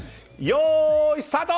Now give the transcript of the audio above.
よーい、スタート！